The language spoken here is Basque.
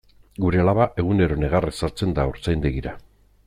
Gure alaba egunero negarrez sartzen da haurtzaindegira.